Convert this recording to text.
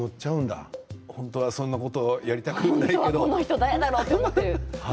本当はそんなことをやりたくないのに。